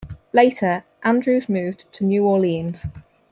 Later Andrews moved to New Orleans.